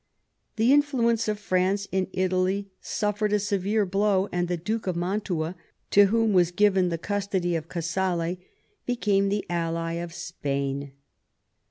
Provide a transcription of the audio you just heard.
The influence of France in Italy suffered a severe blow, and the Duke of Mantua, to whom was given the custody of Casale, became the ally of Spain.